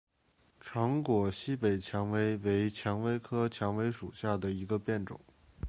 长果西北蔷薇为蔷薇科蔷薇属下的一个变种。